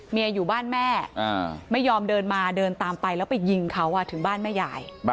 อยู่บ้านแม่ไม่ยอมเดินมาเดินตามไปแล้วไปยิงเขาถึงบ้านแม่ยาย